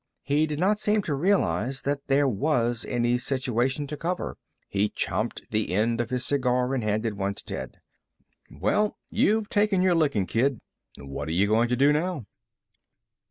He did not seem to realize that there was any situation to cover. He champed the end of his cigar and handed one to Ted. "Well, you've taken your lickin', kid. What you going to do now?"